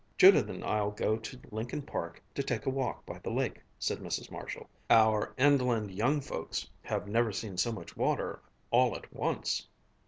"Judith and I'll go to Lincoln Park to take a walk by the lake," said Mrs. Marshall. "Our inland young folks have never seen so much water all at once."